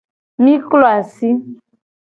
Mi klo asi.